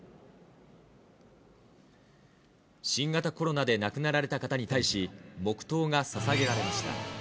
新型コロナで亡くなられた方に対し、黙とうがささげられました。